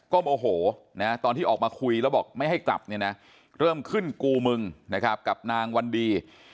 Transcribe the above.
ก็โมโหนะตอนที่ออกมาคุยแล้วบอกไม่ให้กลับเนี่ยนะเริ่มขึ้นกูมึงนะครับกับนางวันดี